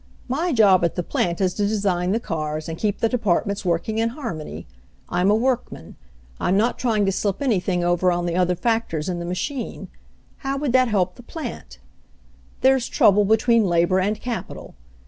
"My job at the plant is to design the cars and keep the departments working in harmony. I'm a woricman. I'm not trying to slip anything over on the other factors in the machine. How would that help the plant? "There's trouble between labor and capital.